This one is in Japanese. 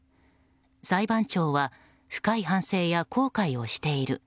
裁判長は深い反省や後悔をしている。